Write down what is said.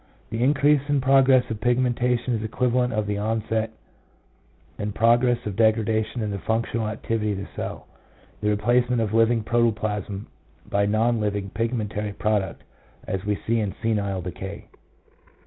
The increase and progress of pigmentation is the equivalent of the onset and progress of degradation in the functional activity of the cell — the replacement of living proto plasm by non living pigmentary product, as we see in senile decay."